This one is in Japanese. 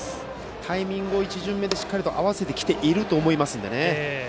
タイミングを１巡目でしっかり合わせていると思いますのでね。